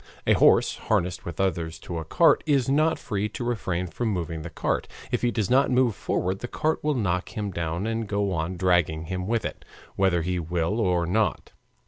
A horse harnessed with others to a cart is not free to refrain from moving the cart. If he does not move forward the cart will knock him down and go on dragging him with it, whether he will or not.